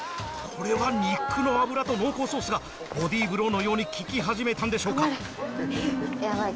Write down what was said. これは肉の脂と濃厚ソースがボディーブローのように効き始めたんでしょうか？